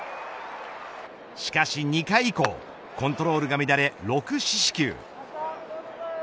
しかし２回以降コントロールが乱れ６四死球。